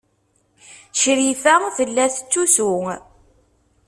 Crifa tella tettusu.